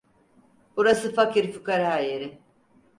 Burası fakir fukara yeri.